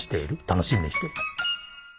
楽しみにしている。